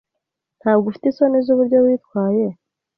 Ntabwo ufite isoni zuburyo witwaye?